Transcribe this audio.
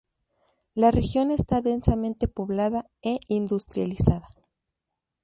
La región está densamente poblada e industrializada.